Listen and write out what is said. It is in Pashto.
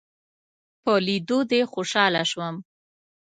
په ليدو دې خوشحاله شوم